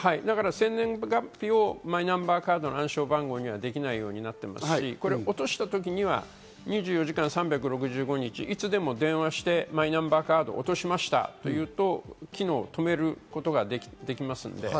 生年月日をマイナンバーカードの暗証番号にはできないようになっていますし、落とした時には２４時間、３６５日いつでも電話してナンバーカードを落としましたというと機能を止めることができます。